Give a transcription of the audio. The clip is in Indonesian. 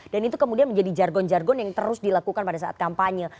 dan itu kemudian menjadi jargon jargon yang terus dilakukan pada saat kampanye